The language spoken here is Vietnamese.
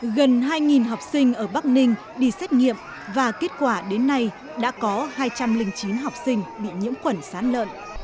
gần hai học sinh ở bắc ninh đi xét nghiệm và kết quả đến nay đã có hai trăm linh chín học sinh bị nhiễm khuẩn sán lợn